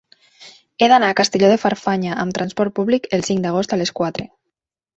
He d'anar a Castelló de Farfanya amb trasport públic el cinc d'agost a les quatre.